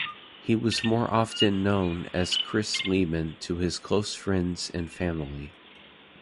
He was more often known as Kris Lehman to his close friends and family.